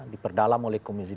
diperdalam oleh komisi dua